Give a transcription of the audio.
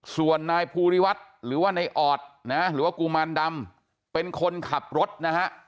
ส่วนนายภูริวัฒน์หรือว่านายออดนะหรือว่ากุมารดำเป็นคนขับรถนะฮะ